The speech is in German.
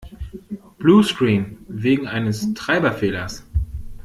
Bluescreen. Wegen eines Treiberfehlers.